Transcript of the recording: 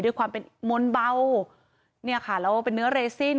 ด้วยความเป็นมนต์เบาเนี่ยค่ะแล้วเป็นเนื้อเรซิน